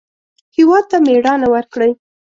هېواد ته مېړانه ورکړئ